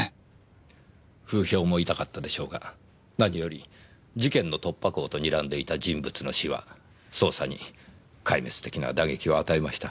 風評も痛かったでしょうが何より事件の突破口と睨んでいた人物の死は捜査に壊滅的な打撃を与えました。